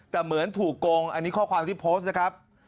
แต่เหมือนถูกโกงอันนี้ข้อความที่โพสต์นะครับ